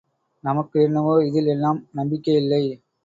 நமக்கு என்னவோ இதில் எல்லாம் நம்பிக்கை இல்லை!